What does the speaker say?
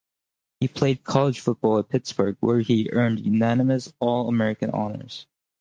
He played college football at Pittsburgh, where he earned unanimous All-American honors.